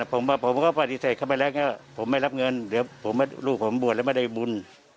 ผมว่าผมก็ปฏิเสธเข้าไปแล้วผมไม่รับเงินเดี๋ยวผมว่าลูกผมบวชแล้วไม่ได้บุญ